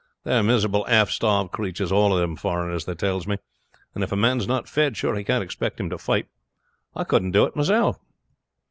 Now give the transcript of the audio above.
They are miserable, half starved cratures all them foreigners, they tells me; and if a man is not fed, sure you can't expect him to fight. I couldn't do it myself.